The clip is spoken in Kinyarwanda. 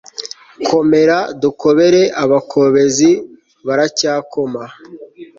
komera dukobere abakobezi baracyakoma